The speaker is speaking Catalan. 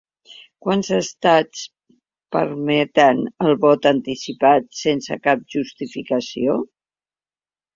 Quants estats permeten el vot anticipat sense cap justificació?